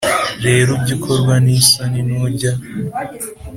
Rero ujye ukorwa n isoni nujya